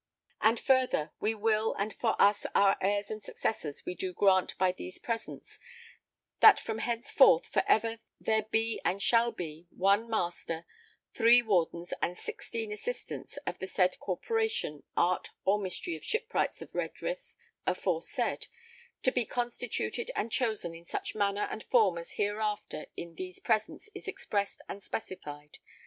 _] And further we will and for us our heirs and successors we do grant by these presents, that from henceforth for ever there be and shall be one Master three Wardens and sixteen Assistants of the said corporation art or mystery of Shipwrights of Redrith aforesaid to be constituted and chosen in such manner and form as hereafter in these presents is expressed and specified.